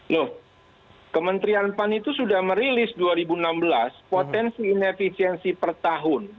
loh kementerian pan itu sudah merilis dua ribu enam belas potensi inefisiensi per tahun